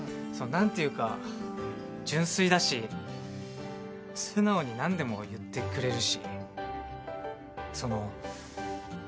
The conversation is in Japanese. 何ていうか純粋だし素直に何でも言ってくれるしその。